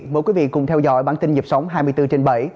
mời quý vị cùng theo dõi bản tin nhịp sống hai mươi bốn trên bảy